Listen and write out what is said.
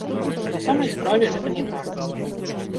На самай справе гэта не так.